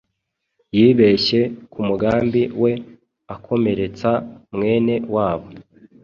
Yibeshye kumugambi we akomeretsa mwene wabo